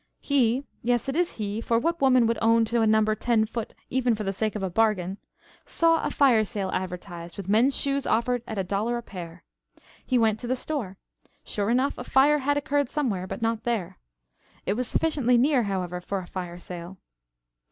He yes, it is he, for what woman would own to a number ten foot even for the sake of a bargain? saw a fire sale advertised, with men's shoes offered at a dollar a pair. He went to the store. Sure enough, a fire had occurred somewhere, but not there. It was sufficiently near, however, for a fire sale.